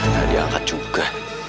tadi angkat juga